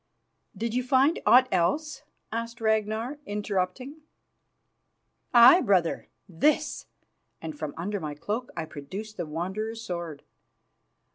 "Did you find aught else?" asked Ragnar, interrupting. "Aye, brother, this!" and from under my cloak I produced the Wanderer's sword.